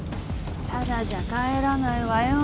ただじゃ帰らないわよ。